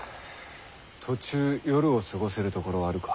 途中夜を過ごせる所はあるか？